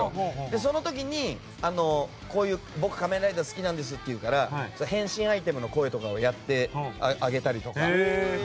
その時に、僕「仮面ライダー」が好きなんですっていうから変身アイテムの声とかをやってあげたりとか。